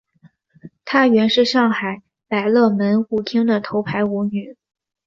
她原是上海百乐门舞厅的头牌舞女。